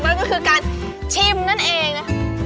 นั่นก็คือการชิมนั่นเอง